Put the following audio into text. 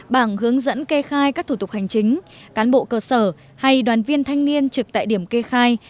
bảng hướng dẫn kê khai các thủ tục hành chính cán bộ cơ sở hay đoàn viên thanh niên trực tại điểm kê khai